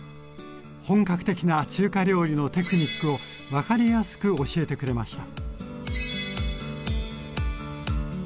本格的な中華料理のテクニックを分かりやすく教えてくれました。